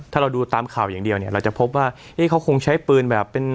ถ้าเราดูตามข่าวอย่างเดียวเนี่ยเราจะพบว่าเขาคงใช้ปืนแบบเป็น